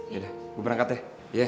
yaudah gua berangkat ya